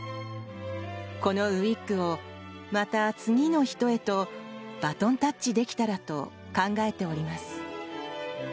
このウィッグをまた次の人へとバトンタッチできたらと考えております。